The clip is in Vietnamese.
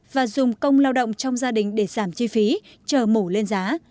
và dùng công lao động trong gia đình để giảm chi phí chờ mổ lên giá